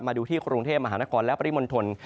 มาดูที่กรุงเทพมหานครและปริมณฑล